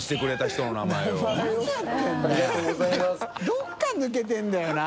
どこか抜けてるんだよな。